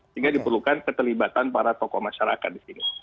sehingga diperlukan keterlibatan para tokoh masyarakat di sini